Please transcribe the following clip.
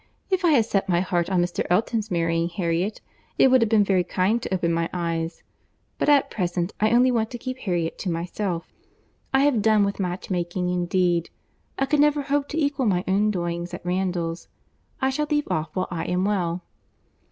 "If I had set my heart on Mr. Elton's marrying Harriet, it would have been very kind to open my eyes; but at present I only want to keep Harriet to myself. I have done with match making indeed. I could never hope to equal my own doings at Randalls. I shall leave off while I am well."